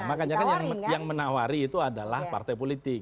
makanya kan yang menawari itu adalah partai politik